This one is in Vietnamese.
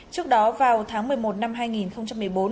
trước đó vào tháng một mươi một năm hai nghìn một mươi bốn